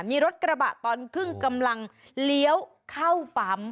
มีรถกระบะตอนครึ่งกำลังเลี้ยวเข้าปั๊ม